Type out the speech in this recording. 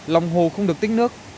lòng hồ không được tích nước